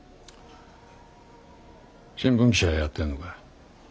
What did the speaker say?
新聞記者やってんのか？